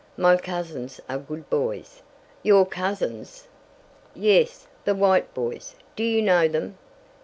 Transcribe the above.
My cousins are good boys." "Your cousins?" "Yes, the White boys. Do you know them?"